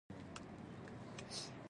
د ګناټو داغونه پټوې، یا بل شی پټوې؟